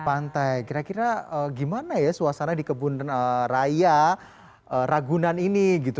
pantai kira kira gimana ya suasana di kebun raya ragunan ini gitu